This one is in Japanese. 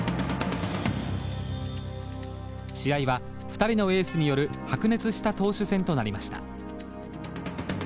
試合は２人のエースによる白熱した投手戦となりました。